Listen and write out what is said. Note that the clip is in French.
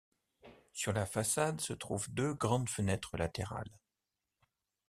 Sur la façade se trouvent deux grandes fenêtres latérales.